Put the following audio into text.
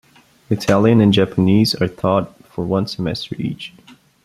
Italian and Japanese are taught for one semester each.